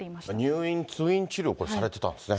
入院、通院治療をされてたんですね。